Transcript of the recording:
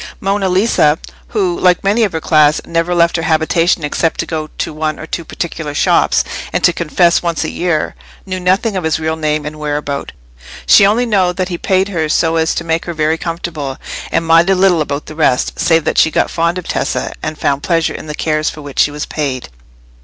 Monna Lisa, who, like many of her class, never left her habitation except to go to one or two particular shops, and to confession once a year, knew nothing of his real name and whereabout: she only know that he paid her so as to make her very comfortable, and minded little about the rest, save that she got fond of Tessa, and found pleasure in the cares for which she was paid.